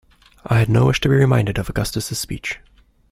I had no wish to be reminded of Augustus's speech.